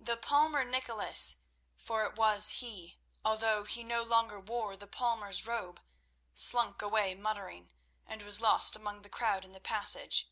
The palmer Nicholas, for it was he, although he no longer wore the palmer's robe, slunk away muttering, and was lost among the crowd in the passage.